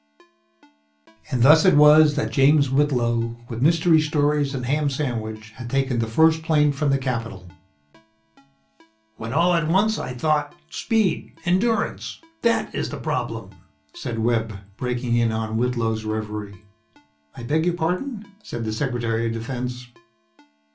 And thus it was that James Whitlow, with mystery stories and ham sandwich, had taken the first plane from the Capitol ..."... when all at once, I thought: Speed! Endurance! That is the problem!" said Webb, breaking in on Whitlow's reverie. "I beg your pardon?" said the Secretary of Defense.